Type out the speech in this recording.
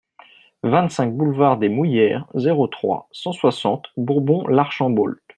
vingt-cinq boulevard des Mouillères, zéro trois, cent soixante Bourbon-l'Archambault